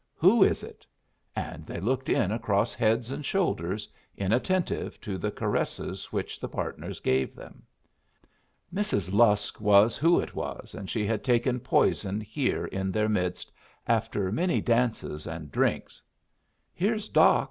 "Who is it?" And they looked in across heads and shoulders, inattentive to the caresses which the partners gave them. Mrs. Lusk was who it was, and she had taken poison here in their midst, after many dances and drinks. "Here's Doc!"